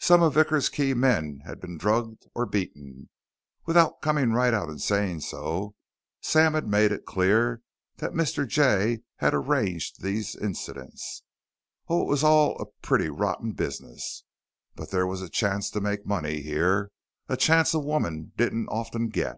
Some of Vickers' key men had been drugged or beaten. Without coming right out and saying so, Sam had made it clear that Mr. Jay had arranged these incidents. Oh, it was all a pretty rotten business, but there was a chance to make money here, a chance a woman didn't often get.